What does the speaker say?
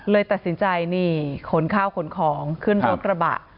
เลยตัดสินใจนี่ขนข้าวขนของขึ้นรถกระบะ